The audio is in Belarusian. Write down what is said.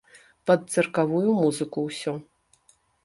Пад цыркавую музыку ўсё.